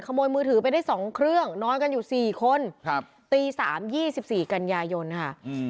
ขโมยมือถือไปได้สองเครื่องนอนกันอยู่สี่คนครับตีสามยี่สิบสี่กันยายนค่ะอืม